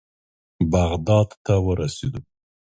بغداد ته ورسېدو.